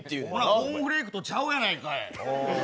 コーンフレークとちゃうやないかい。